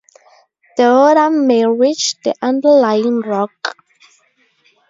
The water may reach the underlying rock.